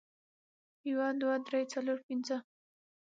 یو، دوه، درې، څلور، پنځه